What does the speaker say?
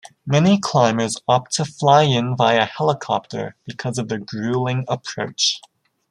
Many climbers opt to fly in via helicopter because of the gruelling approach.